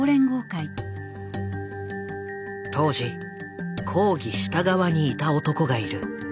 当時抗議した側にいた男がいる。